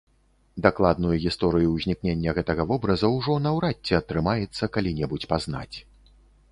Дакладную гісторыю ўзнікнення гэтага вобраза ўжо наўрад ці атрымаецца калі-небудзь пазнаць.